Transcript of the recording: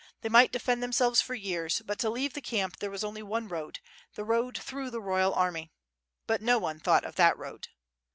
They might defend them selves for years, but to leave the camp there was only one road, the road through the royal army. But no one thought of that road.